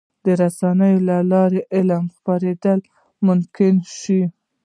د رسنیو له لارې د علم خپرېدل ممکن شوي.